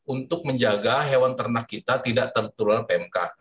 untuk menjaga hewan ternak kita tidak tertular pmk